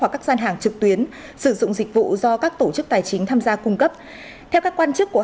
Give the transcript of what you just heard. và trực tuyến sử dụng dịch vụ do các tổ chức tài chính tham gia cung cấp theo các quan chức của